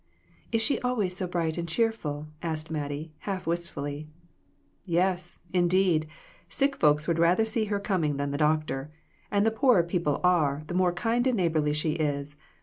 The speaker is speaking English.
"Is she always so bright and cheerful?" asked Mattie, half wistfully. "Yes, indeed! Sick folks would rather see her coming than the doctor, and the poorer peo ple are, the more kind and neighborly she is.